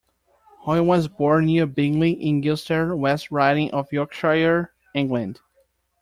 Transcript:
Hoyle was born near Bingley in Gilstead, West Riding of Yorkshire, England.